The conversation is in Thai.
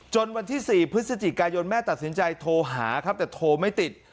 วันที่๔พฤศจิกายนแม่ตัดสินใจโทรหาครับแต่โทรไม่ติด